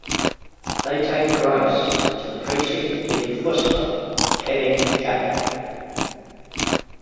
They take Grace to the precinct with Fusco (Kevin Chapman).